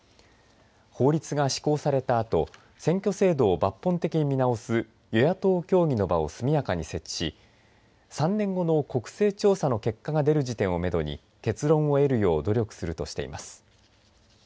法律が施行されたあと選挙制度を抜本的に見直す与野党協議の場を速やかに設置し３年後の国政調査の結果が出る時点をめどに結論を得るよう努力するとしています。